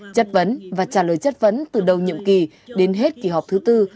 chất vấn và trả lời chất vấn từ đầu nhiệm kỳ đến hết kỳ họp thứ tư